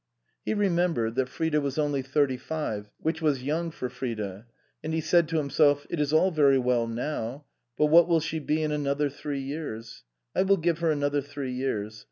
He remembered that Frida was only thirty five ; which was young for Frida. And he said to himself, "It is all very well now, but what will she be in another three years ? I will give her another three years.